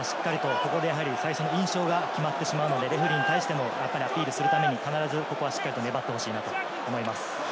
最初の印象が決まってしまうので、レフェリーに対してもアピールするため、しっかり粘ってほしいと思います。